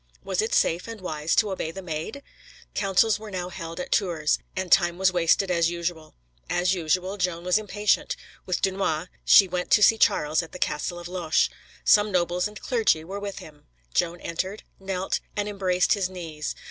Was it safe and wise to obey the Maid? Councils were now held at Tours, and time was wasted as usual. As usual, Joan was impatient. With Dunois, she went to see Charles at the castle of Loches. Some nobles and clergy were with him; Joan entered, knelt, and embraced his knees.